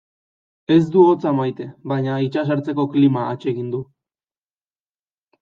Ez du hotza maite, baina itsas ertzeko klima atsegin du.